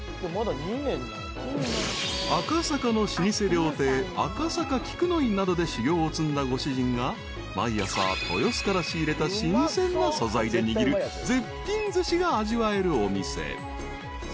［赤坂の老舗料亭赤坂菊乃井などで修業を積んだご主人が毎朝豊洲から仕入れた新鮮な素材で握る絶品ずしが味わえるお店］